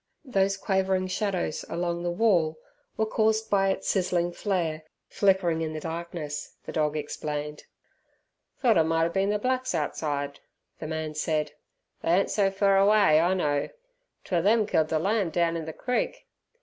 Those quavering shadows along the wall were caused by its sizzling flare flickering in the darkness, the dog explained. "Thort it mighter bin ther blacks outside," the man said. "They ain't so fur away, I know! 'Twar them killed ther lamb down in ther creek."